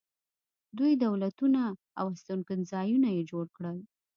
دوی دولتونه او استوګنځایونه یې جوړ کړل